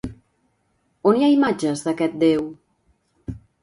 On hi ha imatges d'aquest déu?